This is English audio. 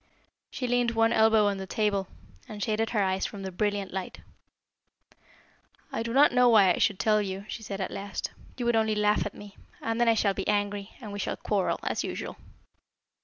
She leaned one elbow on the table and shaded her eyes from the brilliant light. "I do not know why I should tell you," she said at last. "You will only laugh at me, and then I shall be angry, and we shall quarrel as usual."